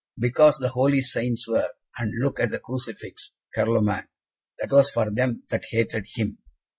"Because the holy Saints were and look at the Crucifix, Carloman. That was for them that hated Him.